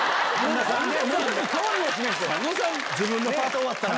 自分のパート終わったら。